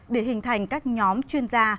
để hình thành các nhóm chuyên gia